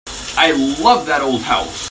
I love that old house.